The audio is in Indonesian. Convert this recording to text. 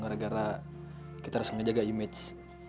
gara gara kita harus ngejaga image